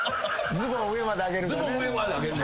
ズボン上まで上げるの。